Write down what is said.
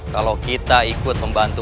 kalau kita ikut membantu